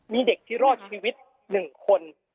มีเด็กที่รอดชีวิตหนึ่งคน